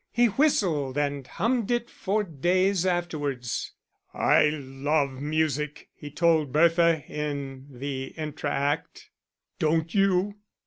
He whistled and hummed it for days afterwards. "I love music," he told Bertha in the entracte. "Don't you?"